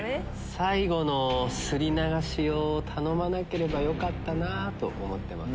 最後のすり流しを頼まなければよかったなぁと思ってます。